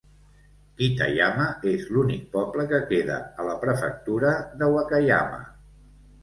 Kitayama és l'únic poble que queda a la prefectura de Wakayama.